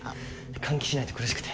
換気しないと苦しくて。